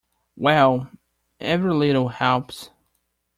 Well, every little helps.